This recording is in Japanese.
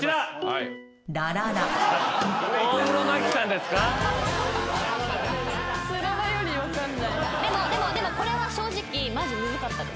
でもでもでもこれは正直マジむずかったです。